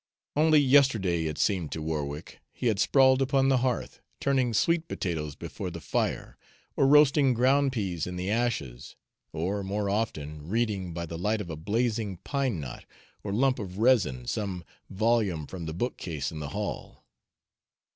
Only yesterday, it seemed to Warwick, he had sprawled upon the hearth, turning sweet potatoes before the fire, or roasting groundpeas in the ashes; or, more often, reading, by the light of a blazing pine knot or lump of resin, some volume from the bookcase in the hall.